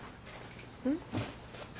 うん？